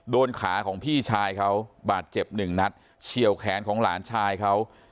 โดนขาของพี่ชายเขาบาดเจ็บหนึ่งนัดเฉียวแขนของหลานชายเขา